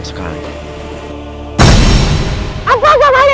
dan sekaligus berikan makanan anda politics